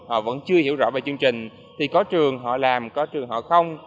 họ vẫn chưa hiểu rõ về chương trình thì có trường họ làm có trường họ không